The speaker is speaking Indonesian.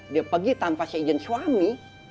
dia pergi tanpa seizin suami